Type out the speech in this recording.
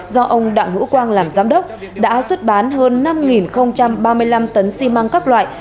do ông đặng hữu quang làm giám đốc đã xuất bán hơn năm ba mươi năm tấn xi măng các loại